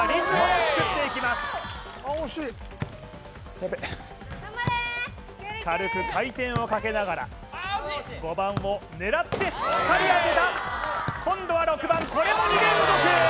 いけるいける軽く回転をかけながら５番を狙ってしっかり当てた今度は６番これも２連続！